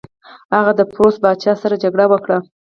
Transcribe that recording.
هغه د پوروس پاچا سره جګړه وکړه.